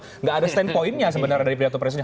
tidak ada standpoint nya sebenarnya dari pidato presiden